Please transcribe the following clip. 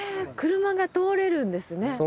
車が通れるんですね。